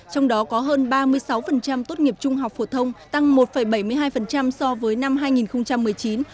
trong đó có hơn ba mươi sáu tốt nghiệp trung học phổ thông tăng một bảy mươi hai so với năm hai nghìn một mươi chín